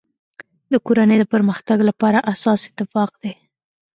د کورنی د پرمختګ لپاره اساس اتفاق دی.